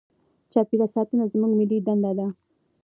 چاپیریال ساتنه زموږ ملي دنده ده.